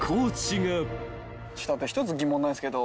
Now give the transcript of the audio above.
１つ疑問なんですけど僕たち。